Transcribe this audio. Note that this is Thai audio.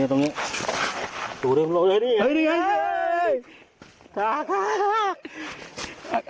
ทาก